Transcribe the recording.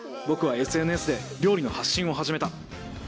僕は ＳＮＳ で料理の発信を始めた